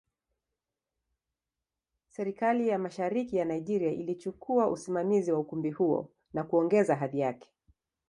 Serikali ya Mashariki ya Nigeria ilichukua usimamizi wa ukumbi huo na kuongeza hadhi yake.